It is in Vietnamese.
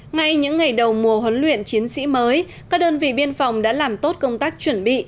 ngay những ngày đầu mùa huấn luyện chiến sĩ mới các đơn vị biên phòng đã làm tốt công tác chuẩn bị